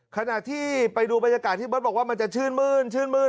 ขณะที่ไปดูบรรยากาศที่เบิร์ตบอกว่ามันจะชื่นมื้นชื่นมื้น